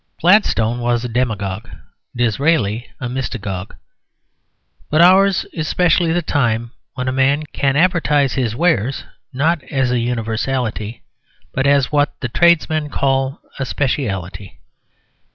Gladstone was a demagogue: Disraeli a mystagogue. But ours is specially the time when a man can advertise his wares not as a universality, but as what the tradesmen call "a speciality."